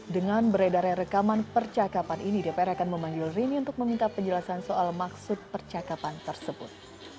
dengan beredarnya rekaman percakapan ini dpr akan memanggil rini untuk meminta penjelasan soal maksud percakapan tersebut